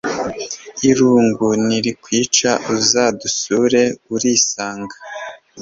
irungu ni rikwica uzadusure urisanga